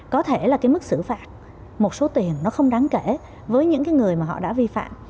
có thể là cái mức xử phạt một số tiền nó không đáng kể với những cái người mà họ đã vi phạm